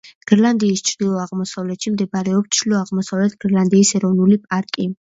გრენლანდიის ჩრდილო-აღმოსავლეთში მდებარეობს ჩრდილო-აღმოსავლეთ გრენლანდიის ეროვნული პარკი.